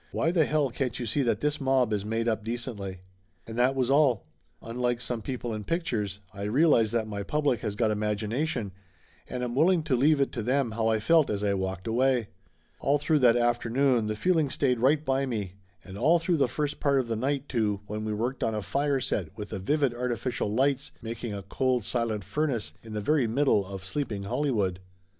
"Why the hell can't you see that this mob is made up decently ?" And that was all. Unlike some people in pictures, Laughter Limited 143 I realize that my public has got imagination, and am willing to leave it to them how I felt as I walked away. All through that afternoon the feeling stayed right by me, and all through the first part of the night, too, when we worked on a fire set with the vivid artificial lights making a cold silent furnace in the very middle of sleeping Hollywood.